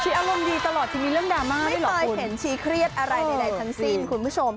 อารมณ์ดีตลอดชีวิตเรื่องดราม่าไม่เคยเห็นชีเครียดอะไรใดทั้งสิ้นคุณผู้ชม